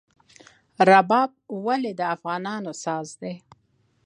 رباب ولې د افغانانو ساز دی؟